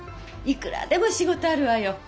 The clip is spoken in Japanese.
いくらでも仕事あるわよ。